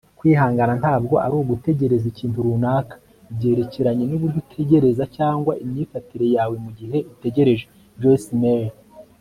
kwihangana ntabwo ari ugutegereza ikintu runaka. byerekeranye n'uburyo utegereza, cyangwa imyifatire yawe mugihe utegereje. - joyce meyer